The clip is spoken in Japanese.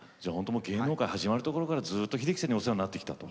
芸能界始まるところからずっと秀樹さんにお世話になってきたと。